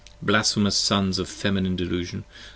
Blasphemous Sons of Feminine delusion!